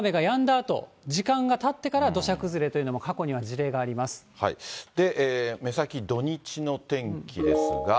あと、時間がたってから土砂崩れというのも、目先、土日の天気ですが。